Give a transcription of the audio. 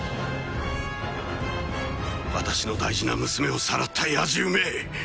私の大事な娘をさらった野獣め。